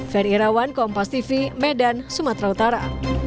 ferry irawan kompas tv medan sumatera utara